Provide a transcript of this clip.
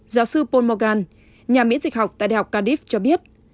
giáo sư paul morgan nhà miễn dịch học tại đại học cardiff cho biết